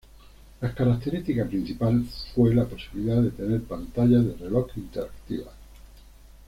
La característica principal fue la posibilidad de tener pantallas de reloj interactivas.